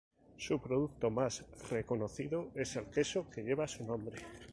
Su producto más reconocido es el queso que lleva su nombre.